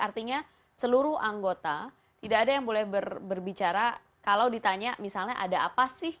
artinya seluruh anggota tidak ada yang boleh berbicara kalau ditanya misalnya ada apa sih